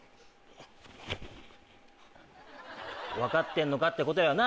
分かってんのか？ってことよな？